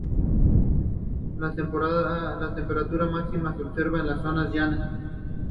La temperatura máxima se observa en las zonas llanas.